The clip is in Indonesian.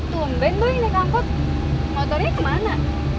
tumben boy ini kantor motornya kemana